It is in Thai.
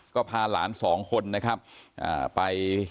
ก็พาล้าน๒คนนะครับไป